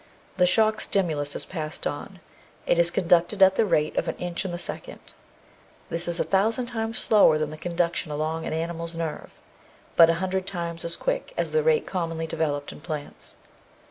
The shock stimulus is passed on. It is conducted at the rate of an inch in the second; this is a thousand times slower than the conduction along an animal's nerve, but a hundred times as quick as the rate commonly de veloped in plants.